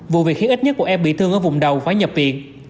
vụ việc khi ít nhất của em bị thương ở vùng đầu phải nhập viện